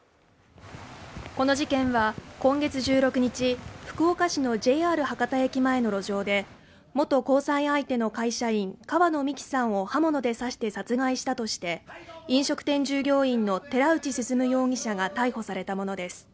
この事件は今月１６日福岡市のＪＲ博多駅前の路上で元交際相手の会社員川野美樹さんを刃物で刺して殺害したとして飲食店従業員の寺内進容疑者が逮捕されたものです